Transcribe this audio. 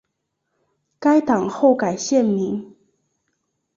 该党后改现名。